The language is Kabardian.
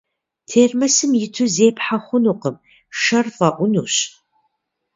Термосым иту зепхьэ хъунукъым, шэр фӏэӏунущ.